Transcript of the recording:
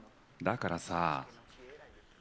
だからさあ。